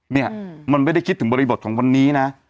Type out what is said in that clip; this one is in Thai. เนี่ยมันไม่ได้คิดถึงบริบทของวันนี้นะ